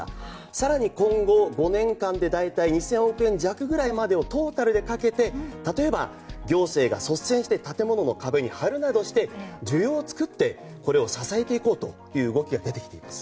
更に今後５年間で大体２０００億円弱をトータルでかけて例えば行政が率先して建物の壁に貼るなどして需要を作ってこれを支えていこうという動きが出てきています。